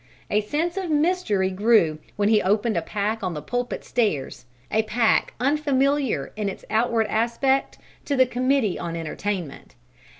A sense of mystery grew when he opened a pack on the pulpit stairs, a pack unfamiliar in its outward aspect to the Committee on Entertainment.